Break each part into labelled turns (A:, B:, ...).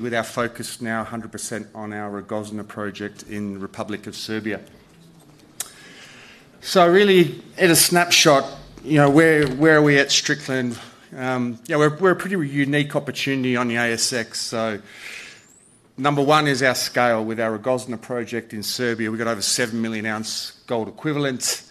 A: With our focus now 100% on our Rogozna project in the Republic of Serbia. Really, at a snapshot, you know, where are we at Strickland? We're a pretty unique opportunity on the ASX. Number one is our scale with our Rogozna project in Serbia. We've got over 7 million ounce gold equivalents.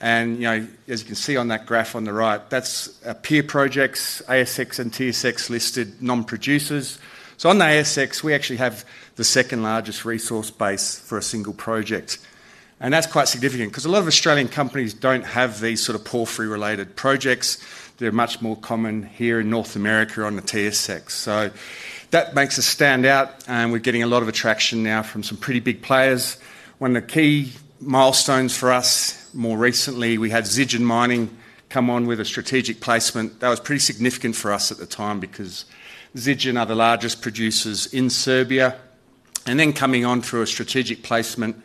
A: As you can see on that graph on the right, that's a peer project, ASX and TSX listed non-producers. On the ASX, we actually have the second largest resource base for a single project. That's quite significant because a lot of Australian companies don't have these sort of porphyry-related projects. They're much more common here in North America on the TSX. That makes us stand out. We're getting a lot of attraction now from some pretty big players. One of the key milestones for us more recently, we had Zijin Mining come on with a strategic placement. That was pretty significant for us at the time because Zijin are the largest producers in Serbia. Coming on through a strategic placement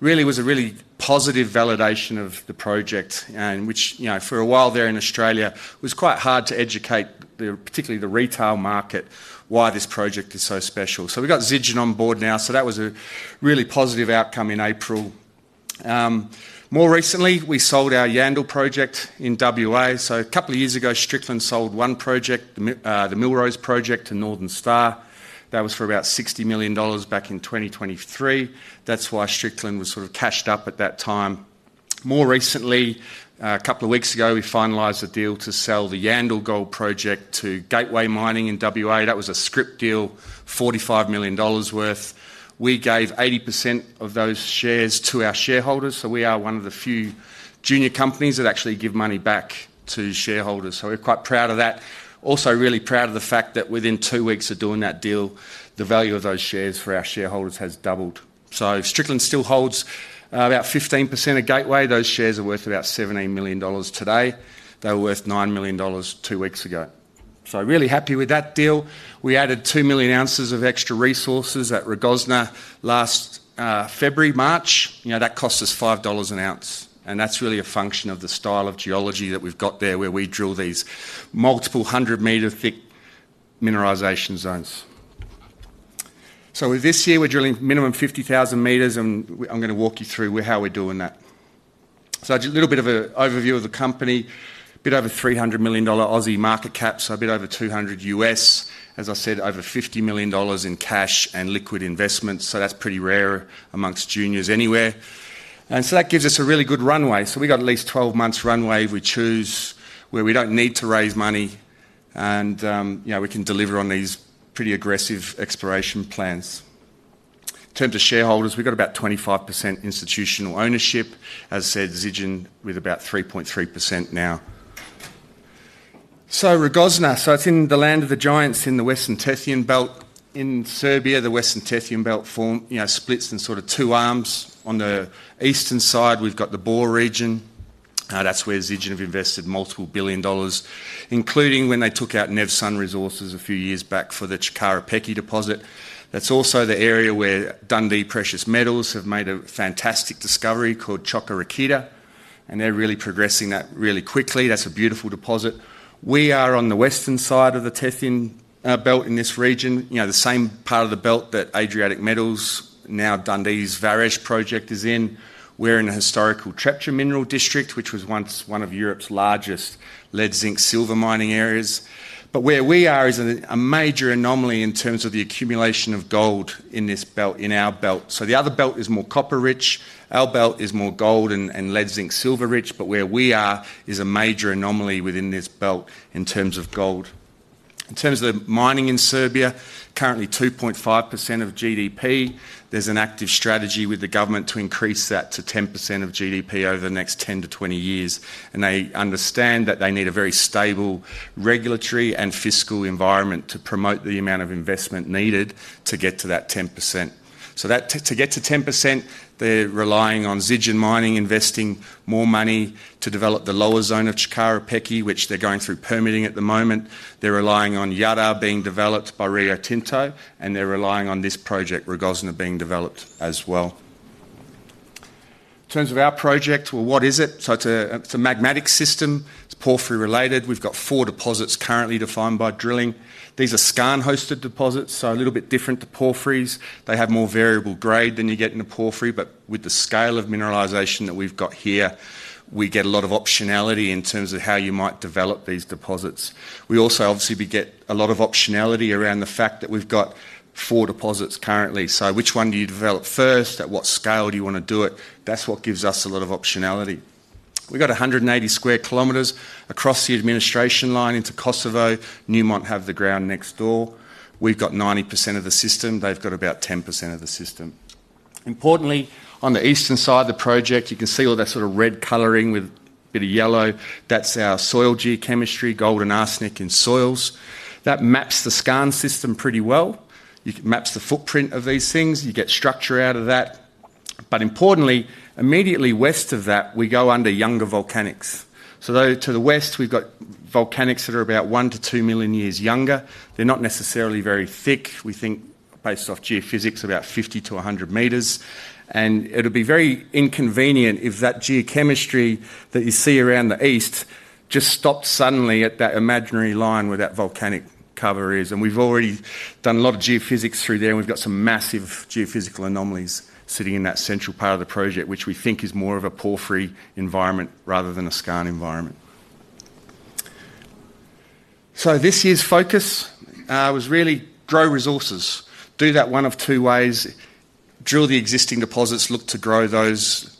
A: really was a really positive validation of the project, in which, you know, for a while there in Australia, it was quite hard to educate particularly the retail market why this project is so special. We got Zijin on board now. That was a really positive outcome in April. More recently, we sold our Yandal project in WA. A couple of years ago, Strickland sold one project, the Millrose Project to Northern Star Resources. That was for about $60 million back in 2023. That's why Strickland was sort of cashed up at that time. More recently, a couple of weeks ago, we finalized a deal to sell the Yandal Gold Project to Gateway Mining in WA. That was a script deal, $45 million worth. We gave 80% of those shares to our shareholders. We are one of the few junior companies that actually give money back to shareholders. We're quite proud of that. Also, really proud of the fact that within two weeks of doing that deal, the value of those shares for our shareholders has doubled. Strickland still holds about 15% of Gateway. Those shares are worth about $17 million today. They were worth $9 million two weeks ago. Really happy with that deal. We added 2 million ounces of extra resources at Rogozna last February, March. That cost us $5 an ounce. That's really a function of the style of geology that we've got there where we drill these multiple hundred meter thick mineralization zones. This year, we're drilling minimum 50,000 meters. I'm going to walk you through how we're doing that. A little bit of an overview of the company: a bit over $300 million Aussie market cap, so a bit over $200 million U.S. As I said, over $50 million in cash and liquid investments. That's pretty rare amongst juniors anywhere, and that gives us a really good runway. We've got at least 12 months runway if we choose, where we don't need to raise money, and we can deliver on these pretty aggressive exploration plans. In terms of shareholders, we've got about 25% institutional ownership, as I said, Zijin with about 3.3% now. Rogozna is in the land of the giants in the Western Tethyan Belt in the Republic of Serbia. The Western Tethyan Belt splits in sort of two arms. On the eastern side, we've got the Bor region. That's where Zijin Mining have invested multiple billion dollars, including when they took out Nevsun Resources a few years back for the Cukaru Peki deposit. That's also the area where Dundee Precious Metals have made a fantastic discovery called Coka Rakita, and they're really progressing that really quickly. That's a beautiful deposit. We are on the western side of the Tethyan Belt in this region, the same part of the belt that Adriatic Metals, now Dundee's Vares project, is in. We're in a historical Trepca mineral district, which was once one of Europe's largest lead-zinc-silver mining areas. Where we are is a major anomaly in terms of the accumulation of gold in this belt. The other belt is more copper-rich; our belt is more gold and lead-zinc-silver-rich. Where we are is a major anomaly within this belt in terms of gold. In terms of mining in Serbia, currently 2.5% of GDP. There's an active strategy with the government to increase that to 10% of GDP over the next 10 to 20 years, and they understand that they need a very stable regulatory and fiscal environment to promote the amount of investment needed to get to that 10%. To get to 10%, they're relying on Zijin Mining investing more money to develop the lower zone of Cukaru Peki, which they're going through permitting at the moment. They're relying on Jadar being developed by Rio Tinto, and they're relying on this project, Rogozna, being developed as well. In terms of our project, what is it? It's a magmatic system. It's porphyry-related. We've got four deposits currently defined by drilling. These are skarn-hosted deposits, so a little bit different to porphyries. They have more variable grade than you get in a porphyry. With the scale of mineralization that we've got here, we get a lot of optionality in terms of how you might develop these deposits. We also obviously get a lot of optionality around the fact that we've got four deposits currently. Which one do you develop first? At what scale do you want to do it? That's what gives us a lot of optionality. We've got 180 square kilometers across the administration line into Kosovo. Newmont have the ground next door. We've got 90% of the system. They've got about 10% of the system. Importantly, on the eastern side of the project, you can see all that sort of red coloring with a bit of yellow. That's our soil geochemistry, gold and arsenic in soils. That maps the skarn system pretty well. It maps the footprint of these things. You get structure out of that. Importantly, immediately west of that, we go under younger volcanics. To the west, we've got volcanics that are about one to two million years younger. They're not necessarily very thick. We think based off geophysics, about 50 to 100 meters. It would be very inconvenient if that geochemistry that you see around the east just stops suddenly at that imaginary line where that volcanic cover is. We've already done a lot of geophysics through there. We've got some massive geophysical anomalies sitting in that central part of the project, which we think is more of a porphyry environment rather than a skarn environment. This year's focus was really grow resources. Do that one of two ways. Drill the existing deposits, look to grow those.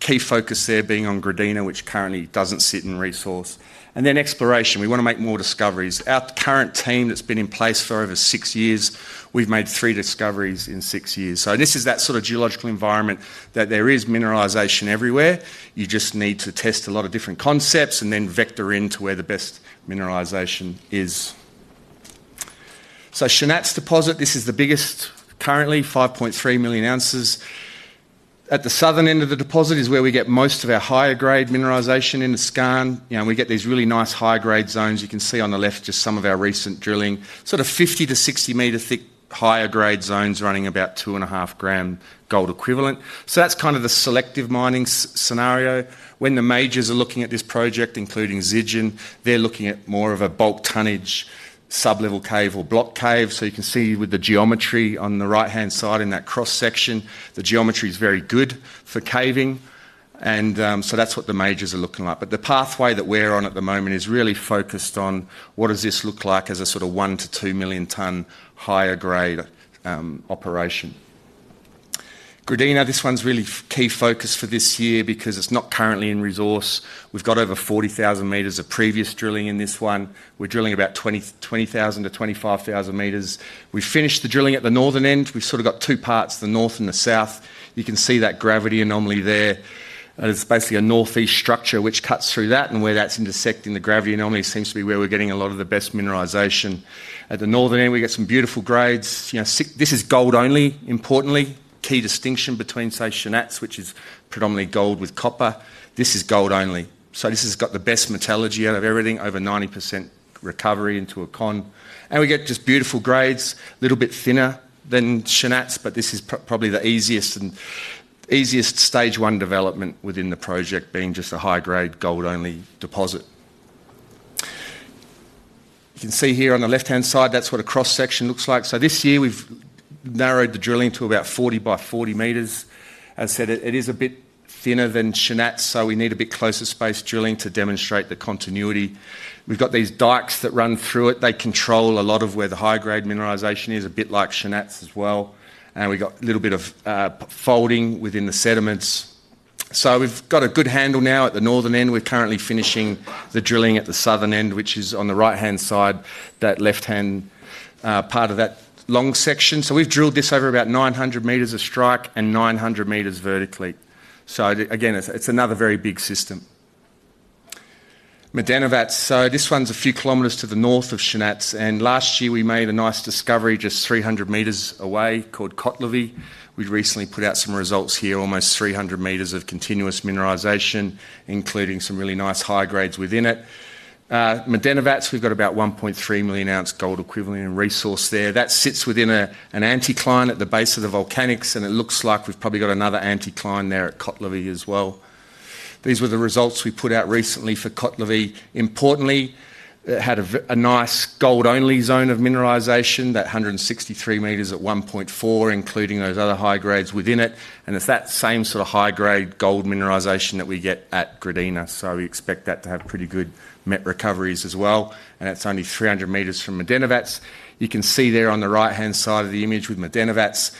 A: Key focus there being on Gradina, which currently doesn't sit in resource. Then exploration. We want to make more discoveries. Our current team that's been in place for over six years, we've made three discoveries in six years. This is that sort of geological environment that there is mineralization everywhere. You just need to test a lot of different concepts and then vector into where the best mineralization is. Chenarats deposit, this is the biggest currently, 5.3 million ounces. At the southern end of the deposit is where we get most of our higher grade mineralization in the skarn. We get these really nice high grade zones. You can see on the left just some of our recent drilling, sort of 50 to 60 meter thick higher grade zones running about two and a half gram gold equivalent. That's kind of the selective mining scenario. When the majors are looking at this project, including Zijin Mining, they're looking at more of a bulk tonnage sub-level cave or block cave. You can see with the geometry on the right-hand side in that cross section, the geometry is very good for caving. That's what the majors are looking like. The pathway that we're on at the moment is really focused on what does this look like as a sort of one to two million ton higher grade operation. Gradina, this one's really key focus for this year because it's not currently in resource. We've got over 40,000 meters of previous drilling in this one. We're drilling about 20,000 to 25,000 meters. We finished the drilling at the northern end. We've sort of got two parts, the north and the south. You can see that gravity anomaly there. It's basically a northeast structure which cuts through that. Where that's intersecting, the gravity anomaly seems to be where we're getting a lot of the best mineralization. At the northern end, we get some beautiful grades. This is gold only. Importantly, key distinction between, say, Chenarats, which is predominantly gold with copper. This is gold only. This has got the best metallurgy out of everything, over 90% recovery into a con. We get just beautiful grades, a little bit thinner than Chenarats, but this is probably the easiest and easiest stage one development within the project, being just a high grade gold only deposit. You can see here on the left-hand side, that's what a cross section looks like. This year, we've narrowed the drilling to about 40 by 40 meters. As I said, it is a bit thinner than Chenarats, so we need a bit closer space drilling to demonstrate the continuity. We've got these dikes that run through it. They control a lot of where the high grade mineralization is, a bit like Chenarats as well. We've got a little bit of folding within the sediments. We've got a good handle now at the northern end. We're currently finishing the drilling at the southern end, which is on the right-hand side, that left-hand part of that long section. We've drilled this over about 900 meters of strike and 900 meters vertically. Again, it's another very big system. Mendenovac, this one's a few kilometers to the north of Chenarats. Last year, we made a nice discovery just 300 meters away called Kotlovi zone. We've recently put out some results here, almost 300 meters of continuous mineralization, including some really nice high grades within it. Mendenovac, we've got about 1.3 million ounce gold equivalent in resource there. That sits within an anticline at the base of the volcanics. It looks like we've probably got another anticline there at Kotlovi as well. These were the results we put out recently for Kotlovi. Importantly, it had a nice gold only zone of mineralization, that 163 meters at 1.4, including those other high grades within it. It's that same sort of high grade gold mineralization that we get at Gradina. We expect that to have pretty good met recoveries as well. It's only 300 meters from Mendenovac. You can see there on the right-hand side of the image with Mendenovac,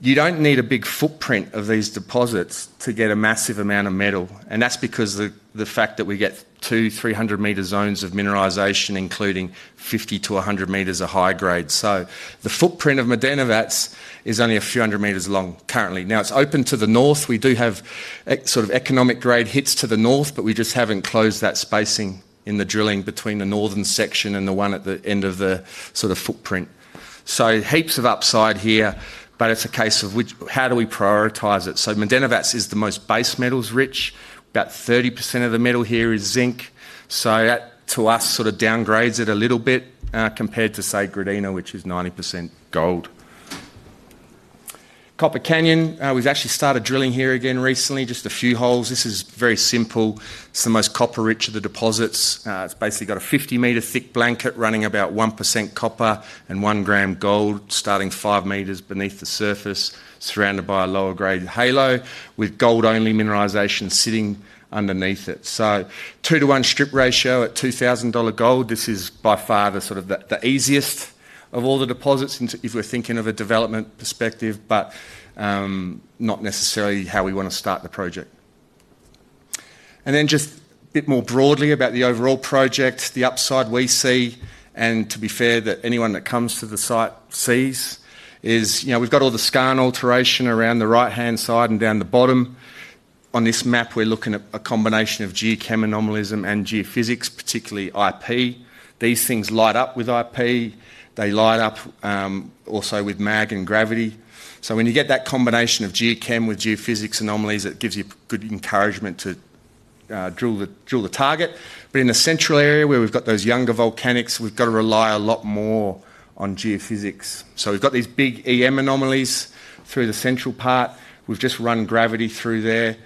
A: you don't need a big footprint of these deposits to get a massive amount of metal. That's because of the fact that we get two 300 meter zones of mineralization, including 50 to 100 meters of high grade. The footprint of Mendenovac is only a few hundred meters long currently. Now it's open to the north. We do have sort of economic grade hits to the north, but we just haven't closed that spacing in the drilling between the northern section and the one at the end of the sort of footprint. Heaps of upside here, but it's a case of which how do we prioritize it? Mendenovac is the most base metals rich. About 30% of the metal here is zinc. That, to us, sort of downgrades it a little bit compared to, say, Gradina, which is 90% gold. Copper Canyon, we've actually started drilling here again recently, just a few holes. This is very simple. It's the most copper-rich of the deposits. It's basically got a 50 meter thick blanket running about 1% copper and 1 gram gold, starting five meters beneath the surface, surrounded by a lower grade halo with gold only mineralization sitting underneath it. Two to one strip ratio at $2,000 gold. This is by far the sort of the easiest of all the deposits if we're thinking of a development perspective, not necessarily how we want to start the project. Just a bit more broadly about the overall project, the upside we see, and to be fair, that anyone that comes to the site sees is, you know, we've got all the skarn alteration around the right-hand side and down the bottom. On this map, we're looking at a combination of geochem anomalism and geophysics, particularly IP. These things light up with IP. They light up also with mag and gravity. When you get that combination of geochem with geophysics anomalies, it gives you good encouragement to drill the target. In the central area where we've got those younger volcanics, we've got to rely a lot more on geophysics. We've got these big EM anomalies through the central part. We've just run gravity through there,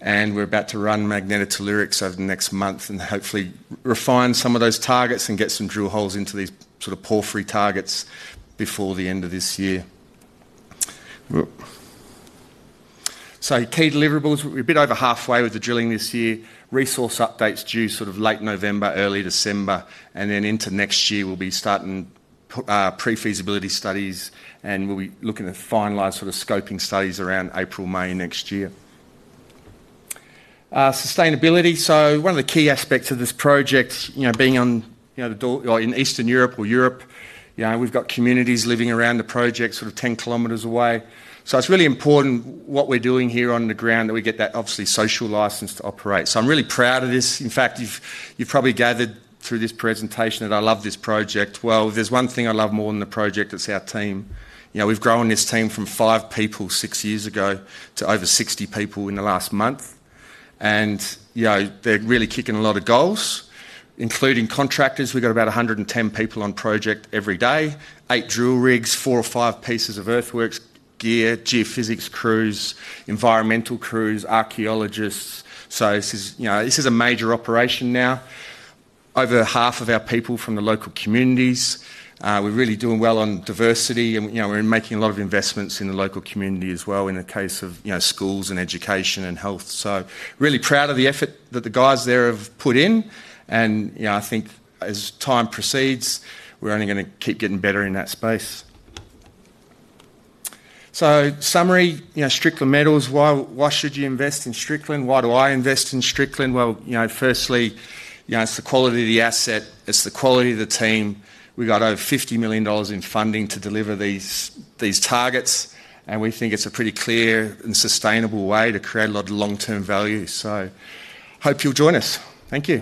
A: and we're about to run magnetotellurics over the next month and hopefully refine some of those targets and get some drill holes into these sort of porphyry targets before the end of this year. Key deliverables: we're a bit over halfway with the drilling this year. Resource updates are due sort of late November, early December. Into next year, we'll be starting pre-feasibility studies, and we'll be looking at finalized sort of scoping studies around April, May next year. Sustainability: one of the key aspects of this project, being on the door in Eastern Europe or Europe, we've got communities living around the project sort of 10 kilometers away. It's really important what we're doing here on the ground that we get that obviously social license to operate. I'm really proud of this. In fact, you've probably gathered through this presentation that I love this project. There's one thing I love more than the project: it's our team. We've grown this team from five people six years ago to over 60 people in the last month, and they're really kicking a lot of goals. Including contractors, we've got about 110 people on project every day, eight drill rigs, four or five pieces of earthworks gear, geophysics crews, environmental crews, archaeologists. This is a major operation now. Over half of our people are from the local communities. We're really doing well on diversity, and we're making a lot of investments in the local community as well in the case of schools and education and health. I'm really proud of the effort that the guys there have put in, and I think as time proceeds, we're only going to keep getting better in that space. Summary: Strickland Metals, why should you invest in Strickland? Why do I invest in Strickland? Firstly, it's the quality of the asset. It's the quality of the team. We've got over $50 million in funding to deliver these targets, and we think it's a pretty clear and sustainable way to create a lot of long-term value. I hope you'll join us. Thank you.